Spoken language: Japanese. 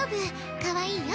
かわいいよ。